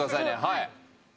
はい